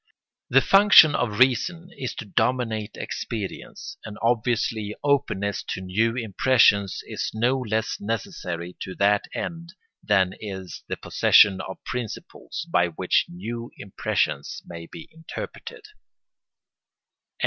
The function of reason is to dominate experience; and obviously openness to new impressions is no less necessary to that end than is the possession of principles by which new impressions may be interpreted.